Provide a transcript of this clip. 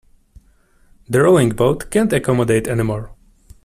The rowing boat can't accommodate any more.